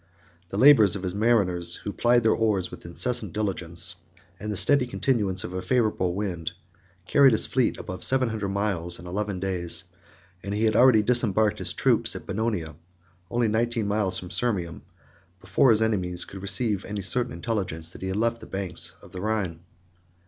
The labors of the mariners, who plied their oars with incessant diligence, and the steady continuance of a favorable wind, carried his fleet above seven hundred miles in eleven days; 32 and he had already disembarked his troops at Bononia, 3211 only nineteen miles from Sirmium, before his enemies could receive any certain intelligence that he had left the banks of the Rhine.